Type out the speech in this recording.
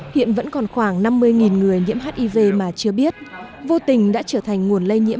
hiện vẫn còn khoảng năm mươi người nhiễm hiv mà chưa biết vô tình đã trở thành nguồn lây nhiễm